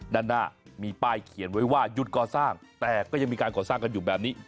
ด้านหน้ามีป้ายเขียนไว้ว่าหยุดก่อสร้างแต่ก็ยังมีการก่อสร้างกันอยู่แบบนี้